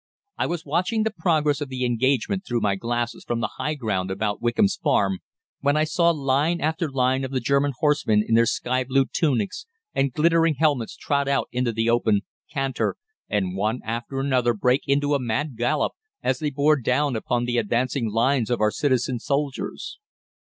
"I was watching the progress of the engagement through my glasses from the high ground about Wickham's Farm, when I saw line after line of the German horsemen in their sky blue tunics and glittering helmets trot out into the open, canter, and one after another break into a mad gallop, as they bore down upon the advancing lines of our citizen soldiers.